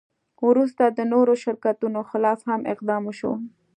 وروسته د نورو شرکتونو خلاف هم اقدام وشو.